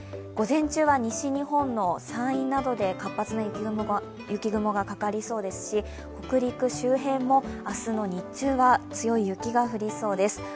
午前中は西日本の山陰などで活発な雪雲がかかりそうですし北陸周辺も明日の日中は強い雪が降りそうです。